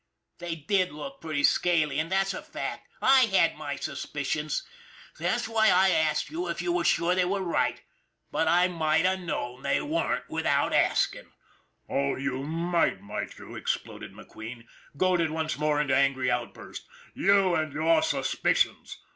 They did look pretty scaly, and that's a fact. I had my suspicions. That's why I asked you if you were sure they were right. But I might have known they weren't without asking." " Oh, you might, might you ?" exploded McQueen, goaded once more into angry outburst. ' You and your suspicions!